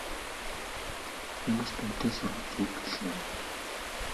Хүмүүст үнэтэй сургамжтай үг хэлнэ үү?